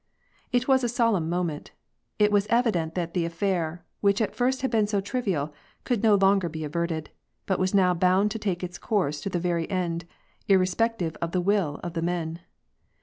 It was a solemn moment. * It was evident that the affair, which at first had been so trivial, could no longer be averted, but was now bound to take its course to the very end, irre spective of the will of the men.